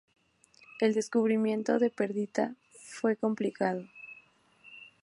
El descubrimiento de Perdita fue complicado.